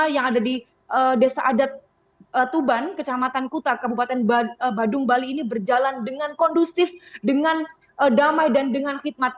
yang ada di desa adat tuban kecamatan kuta kabupaten badung bali ini berjalan dengan kondusif dengan damai dan dengan khidmat